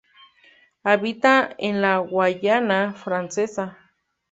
Habita en la Guayana Francesa.